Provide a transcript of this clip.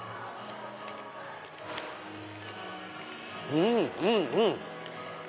うんうんうん！